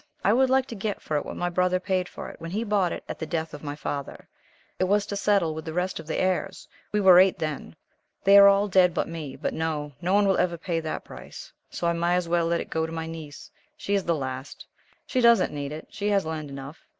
I would like to get for it what my brother paid for it, when he bought it at the death of my father it was to settle with the rest of the heirs we were eight then. They are all dead but me. But no, no one will ever pay that price, so I may as well let it go to my niece. She is the last. She doesn't need it. She has land enough.